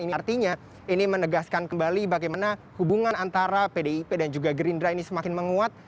ini artinya ini menegaskan kembali bagaimana hubungan antara pdip dan juga gerindra ini semakin menguat